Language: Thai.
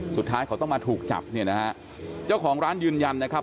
สุดท้ายเขาต้องมาถูกจับเนี่ยนะฮะเจ้าของร้านยืนยันนะครับ